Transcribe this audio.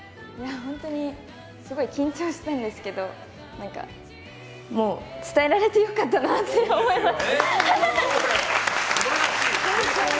本当にすごい緊張したんですけど伝えられてよかったなって思います。